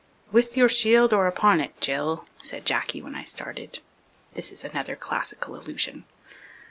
"With your shield or upon it, Jill," said Jacky when I started. (This is another classical allusion.)